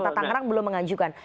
kota tangerang belum mengajukan